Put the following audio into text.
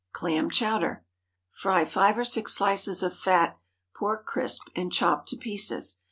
CLAM CHOWDER. ✠ Fry five or six slices of fat pork crisp, and chop to pieces.